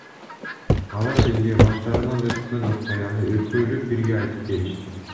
Алар бизге баштарынан өткөн окуяны экөөлөп бирге айтып беришти.